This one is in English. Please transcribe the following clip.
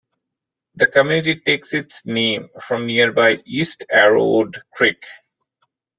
The community takes its name from nearby East Arrowwood Creek.